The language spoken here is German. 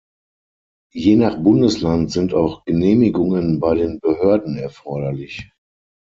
Je nach Bundesland sind auch Genehmigungen bei den Behörden erforderlich.